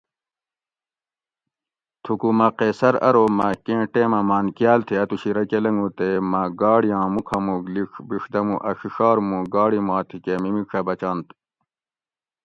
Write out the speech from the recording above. تھوکو مہ قیصر ارو مہ کیں ٹیمہ مانکیال تھی اتوشی رکہ لنگو تے مہ گاڑیاں موکھاموک لیڄ بڛدمو اۤ ڛِڛار موں گاڑی ما تھی کہ میمیڄہ بچنت